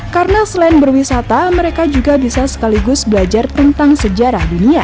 karena selain berwisata mereka juga bisa sekaligus belajar tentang sejarah dunia